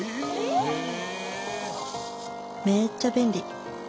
めっちゃ便利。